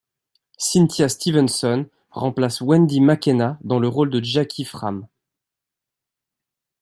Cynthia Stevenson remplace Wendy Makkena dans le rôle de Jackie Framm.